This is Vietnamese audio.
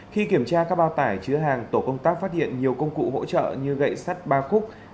khi kiểm tra các bao tải chứa hàng tổ công tác phát hiện nhiều công cụ hỗ trợ như gậy sắt ba khúc